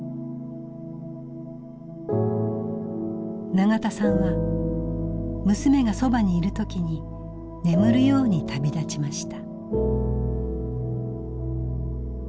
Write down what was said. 永田さんは娘がそばにいる時に眠るように旅立ちました。